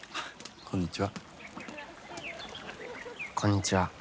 こんにちは。